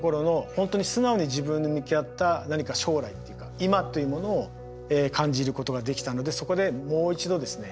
本当に素直に自分に向き合った何か将来っていうか今というものを感じることができたのでそこでもう一度ですね